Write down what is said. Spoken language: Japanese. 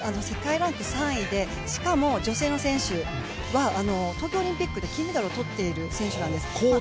世界ランク３位で、しかも女性の選手は東京オリンピックで金メダルを取っている選手なんです。